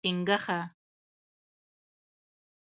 🐸 چنګوښه